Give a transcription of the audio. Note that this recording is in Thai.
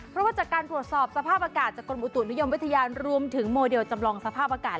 เพราะว่าจากการตรวจสอบสภาพอากาศจากกรมอุตุนิยมวิทยารวมถึงโมเดลจำลองสภาพอากาศ